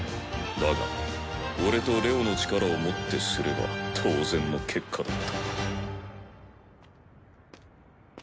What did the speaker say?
だが俺とレオの力をもってすれば当然の結果だった。